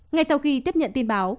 ngay sau khi tiếp nhận tin báo